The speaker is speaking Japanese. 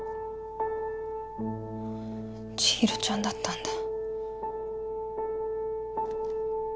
ちひろちゃんだったんだ。